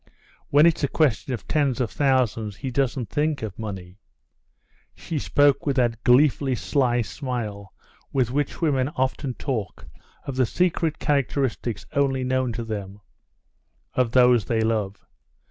When it's a question of tens of thousands, he doesn't think of money." She spoke with that gleefully sly smile with which women often talk of the secret characteristics only known to them—of those they love.